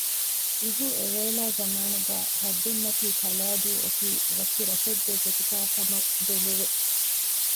އިހު އެވޭލާ ޒަމާނުގައި ހައްދުންމަތީ ކަލައިދޫ އޮތީ ވަކި ރަށެއްގެ ގޮތުގައިކަމަށް ބެލެވެ